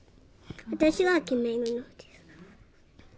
私が決めるのです。